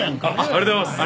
ありがとうございます。